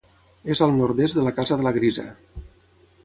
És al nord-est de la casa de la Grisa.